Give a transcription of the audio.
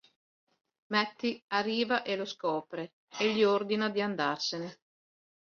Matty arriva e lo scopre, e gli ordina di andarsene.